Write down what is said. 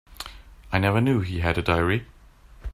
I never knew he had a diary.